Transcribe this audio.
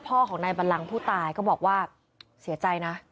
พ่อของนายบัลลังผู้ตายก็บอกว่าเสียใจนะ